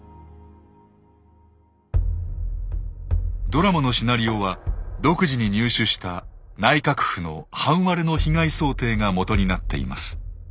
ドラマのシナリオは独自に入手した内閣府の半割れの被害想定が基になっています。